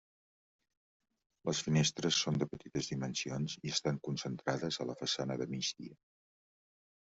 Les finestres són de petites dimensions i estan concentrades a la façana de migdia.